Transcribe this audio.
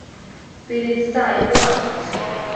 Bu iddynt dau o blant.